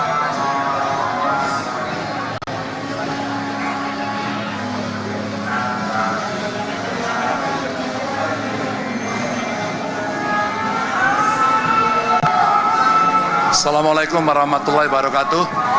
assalamualaikum warahmatullahi wabarakatuh